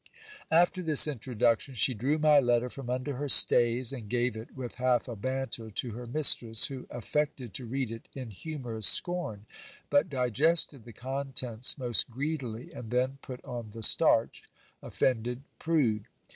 After this introduction, she drew my letter from under her stays, and gave it with half a banter to her mistress, who affected to read it in humorous scom, but digested the contents most greedily, and then put on the starch, offended prude.